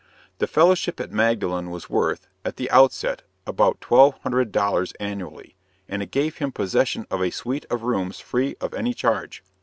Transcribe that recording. The fellowship at Magdalen was worth, at the outset, about twelve hundred dollars annually, and it gave him possession of a suite of rooms free of any charge.